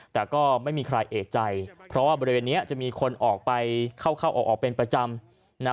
แต่ก็ไม่มีใครเอกใจเพราะว่าบริเวณนี้จะมีคนออกไปเข้าเข้าออกออกเป็นประจำนะ